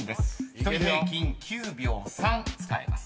［１人平均９秒３使えます］